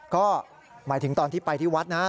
ก็หมายถึงตอนที่ไปที่วัดนะครับ